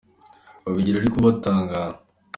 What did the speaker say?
Babigira ariko batangara